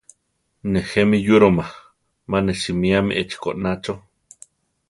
Nejé mi yúroma, mane simíame echí goná chó.